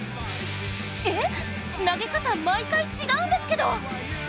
えっ、投げ方毎回違うんですけど？